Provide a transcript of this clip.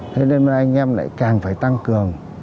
thế nên anh em lại càng phải tăng cường